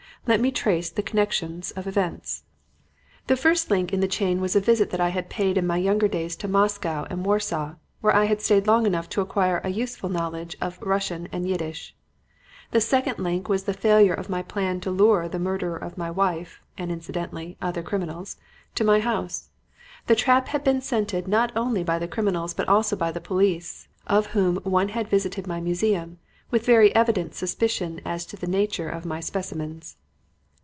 "Let me trace the connections of events. "The first link in the chain was a visit that I had paid in my younger days to Moscow and Warsaw, where I had stayed long enough to acquire a useful knowledge of Russian and Yiddish. The second link was the failure of my plan to lure the murderer of my wife and, incidentally, other criminals to my house. The trap had been scented not only by the criminals but also by the police, of whom one had visited my museum with very evident suspicion as to the nature of my specimens.